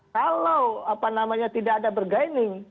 kalau apa namanya tidak ada bergaining